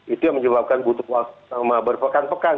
itu yang menyebabkan butuh waktu selama berpekan pekan